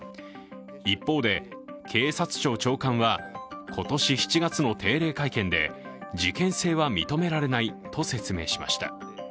一方で、警察庁長官は今年７月の定例会見で事件性は認められないと説明しました。